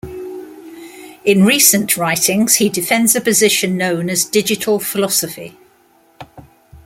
In recent writings, he defends a position known as digital philosophy.